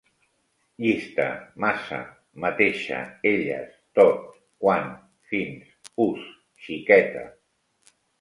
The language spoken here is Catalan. Llista: massa, mateixa, elles, tot, quan, fins, ús, xiqueta